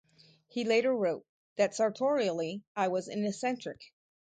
He later wrote that sartorially I was an eccentric.